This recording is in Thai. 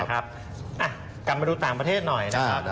กลับมาดูต่างประเทศหน่อยนะครับ